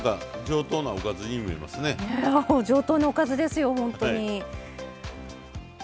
上等なおかずですよほんとに。